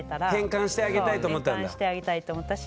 変換してあげたいと思ったんだ。